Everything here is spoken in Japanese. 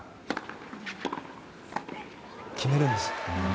決めるんです。